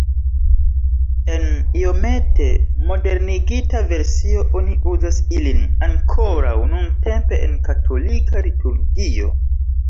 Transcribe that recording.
En iomete modernigita versio oni uzas ilin ankoraŭ nuntempe en katolika liturgio.